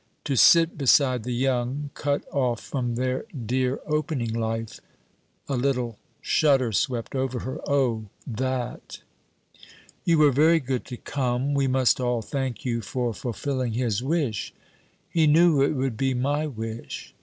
'To sit beside the young, cut off from their dear opening life...!' A little shudder swept over her. 'Oh! that!' 'You were very good to come. We must all thank you for fulfilling his wish.' 'He knew it would be my wish.'